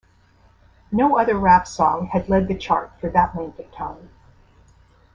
No other rap song had led the chart for that length of time.